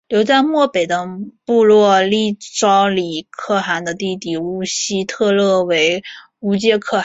留在漠北的部落立昭礼可汗的弟弟乌希特勒为乌介可汗。